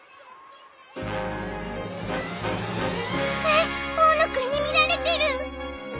えっ大野君に見られてる